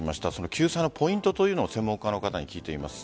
その救済のポイントを専門家の方に聞いてみます。